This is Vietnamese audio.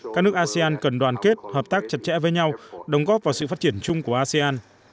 các nước asean cần đoàn kết hợp tác chặt chẽ với nhau đồng góp vào sự phát triển chung của asean